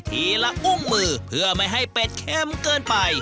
ละอุ้งมือเพื่อไม่ให้เป็ดเข้มเกินไป